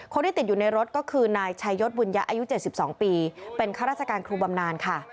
คนที่ติดอยู่ในรถก็คือนายชายศบุญยะอายุ๗๒ปีเป็นข้าราชการครูบำนานค่ะ